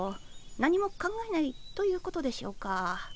何も考えないということでしょうか？